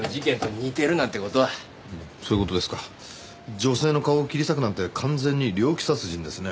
女性の顔を切り裂くなんて完全に猟奇殺人ですね。